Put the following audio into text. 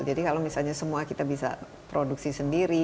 jadi kalau misalnya semua kita bisa produksi sendiri